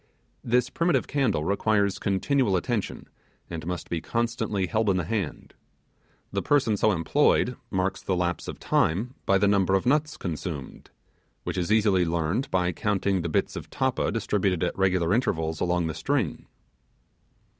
This primitive candle requires continual attention, and must be constantly held in the hand. The person so employed marks the lapse of time by the number of nuts consumed, which is easily learned by counting the bits of tappa distributed at regular intervals along the string.